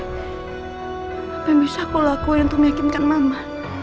apa yang bisa aku lakuin untuk meyakinkan mama